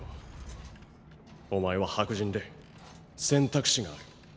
お前は白人で選択肢がある。